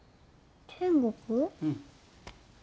うん。